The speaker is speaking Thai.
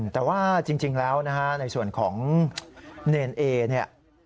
แต่ว่าจริงแล้วในส่วนของเนรนแอร์เนี่ย